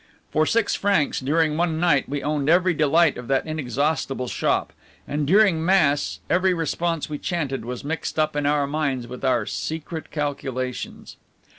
For six francs during one night we owned every delight of that inexhaustible shop! and during Mass every response we chanted was mixed up in our minds with our secret calculations.